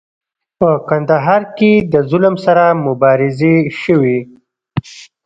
په کندهار کې د ظلم سره مبارزې شوي.